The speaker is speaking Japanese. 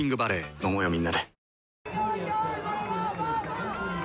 飲もうよみんなで。